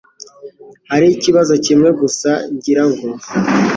Hariho ikibazo kimwe gusa, ngira ngo.